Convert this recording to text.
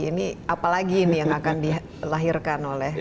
ini apalagi ini yang akan dilahirkan oleh